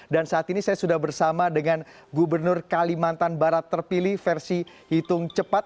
saat ini saya sudah bersama dengan gubernur kalimantan barat terpilih versi hitung cepat